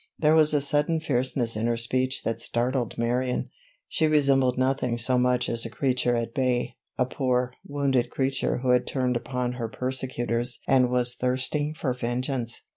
There was a sudden fierceness in her speech that startled Marion. She resembled nothing so much as a creature at bay, a poor, wounded creature who had turned upon her persecutors and was thirsting for vengeance.